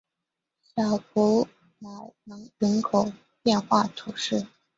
小普莱朗人口变化图示